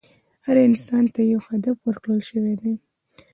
هر انسان ته یو هدف ورکړل شوی دی.